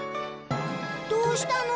どうしたの？